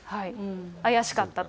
怪しかったと。